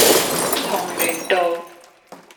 紅鸞道